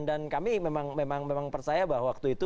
dan kami memang percaya bahwa waktu itu